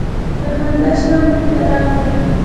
له خندا شنه مخې ته راغله